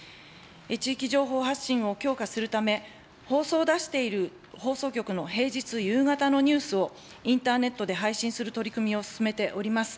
地域情報発信を強化するため、放送を出している放送局の平日夕方のニュースを、インターネットで配信する取り組みを進めております。